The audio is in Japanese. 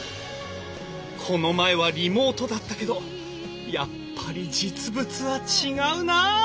この前はリモートだったけどやっぱり実物は違うなぁ。